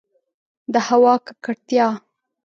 د هوا ککړتیا